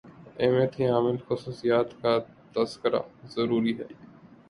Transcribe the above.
اہمیت کی حامل خصوصیات کا تذکرہ ضروری ہے